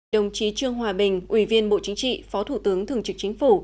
đồng chí trương hòa bình ủy viên bộ chính trị phó thủ tướng thường trực chính phủ